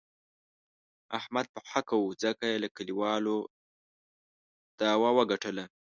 احمد په حقه و، ځکه یې له کلیوالو داوه و ګټله.